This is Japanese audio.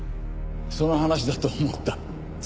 その話だと思った。